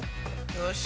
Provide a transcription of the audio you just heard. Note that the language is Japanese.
よし。